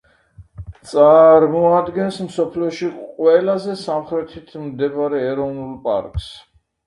წარმოადგენს მსოფლიოში ყველაზე სამხრეთით მდებარე ეროვნულ პარკს.